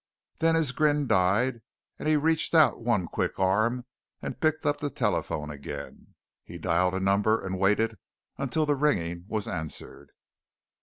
Then his grin died and he reached out one quick arm and picked up the telephone again. He dialed a number and waited until the ringing was answered.